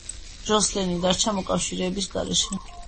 ჟოსლენი დარჩა მოკავშირეების გარეშე.